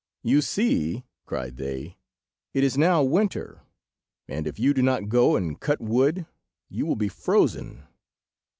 "You see," cried they, "it is now winter, and if you do not go and cut wood you will be frozen."